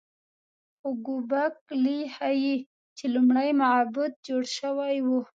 خو ګوبک لي ښيي چې لومړی معبد جوړ شوی و.